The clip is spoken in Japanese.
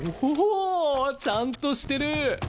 おおちゃんとしてる。